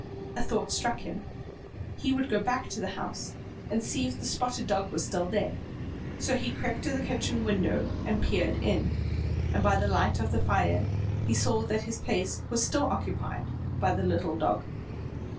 A thought struck him; he would go back to the house and see if the spotted dog was still there; so he crept to the kitchen window and peered in, and by the light of the fire he saw that his place was still occupied by the little dog.